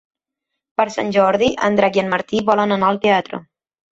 Per Sant Jordi en Drac i en Martí volen anar al teatre.